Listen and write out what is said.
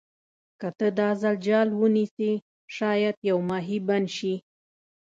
که ته دا ځل جال ونیسې شاید یو ماهي بند شي.